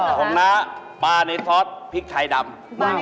น้าปลาในซอสพริกไทยดำ